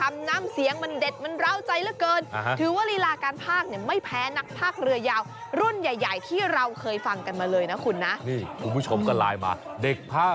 มันสะใจจริงถูกไหมคุณผู้ชมนะคะ